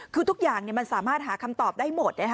คือทุกอย่างมันสามารถหาคำตอบได้หมด